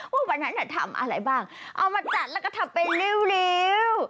วันนั้นทำอะไรบ้างเอามาจัดแล้วก็ทำเป็นริ้ว